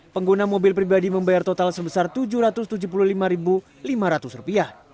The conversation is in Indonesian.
pengguna mobil pribadi membayar total sebesar rp tujuh ratus tujuh puluh lima lima ratus